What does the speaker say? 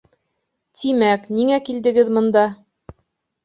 Тимәк, ниңә килдегеҙ бында?